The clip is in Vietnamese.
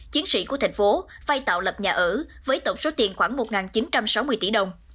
chiến sĩ của thành phố vay tạo lập nhà ở với tổng số tiền khoảng một chín trăm sáu mươi tỷ đồng